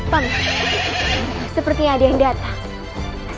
pak sepertinya ada yang datang